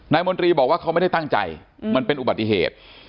มนตรีบอกว่าเขาไม่ได้ตั้งใจมันเป็นอุบัติเหตุ